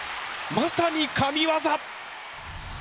まさに神業！